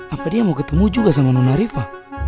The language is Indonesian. apa dia mau ketemu juga sama nona rifa